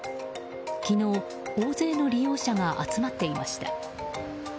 昨日、大勢の利用者が集まっていました。